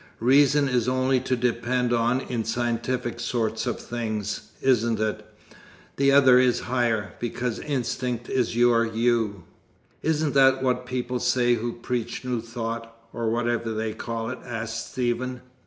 Reason is only to depend on in scientific sorts of things, isn't it? The other is higher, because instinct is your You." "Isn't that what people say who preach New Thought, or whatever they call it?" asked Stephen.